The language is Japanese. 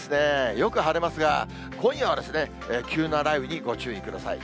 よく晴れますが、今夜は急な雷雨にご注意ください。